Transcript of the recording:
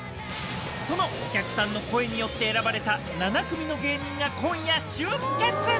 そのお客さんの声によって選ばれた７組の芸人が今夜、集結。